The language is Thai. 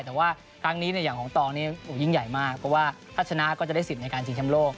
แต่ว่าครั้งนี้อย่างของตองนี่ยิ่งใหญ่มากเพราะว่าถ้าชนะก็จะได้สิทธิ์ในการชิงชำโลก